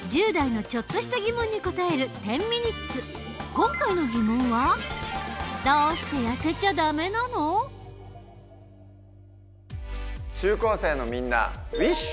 今回の疑問は中高生のみんなウィッシュ！